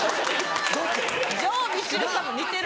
城みちるさんも似てる。